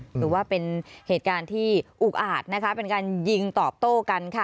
ถือว่าเป็นเหตุการณ์ที่อุกอาจนะคะเป็นการยิงตอบโต้กันค่ะ